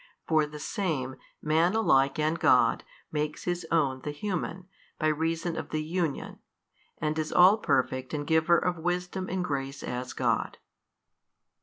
For the Same, Man alike and God, makes His own the human, by reason of the union, and is all Perfect and Giver of wisdom and grace as God.